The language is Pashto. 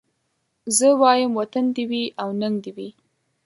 زه وايم وطن دي وي او ننګ دي وي